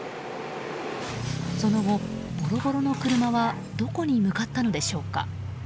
その後、ボロボロの車はどこに向かったのでしょうか。